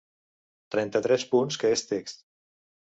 Trenta-tres punts que és text.